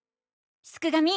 すくがミ！